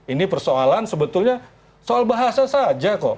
ini persoalan sebetulnya soal bahasa saja kok